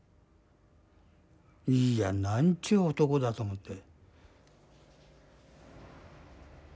いやなんちゅう男だと思って。